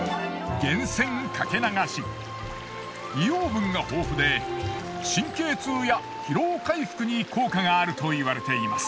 硫黄分が豊富で神経痛や疲労回復に効果があると言われています。